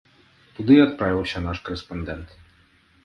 Туды і адправіўся наш карэспандэнт.